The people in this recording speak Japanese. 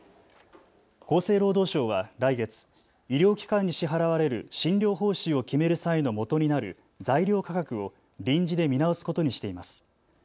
厚生労働省は来月、医療機関に支払われる診療報酬を決める際のもとになる材料価格を臨時で見直すことにしています。